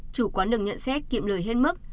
chủ quán được nhận xét kiệm lời hết mức